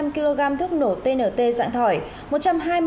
hai mươi năm kg thuốc nổ tnt dạng thỏi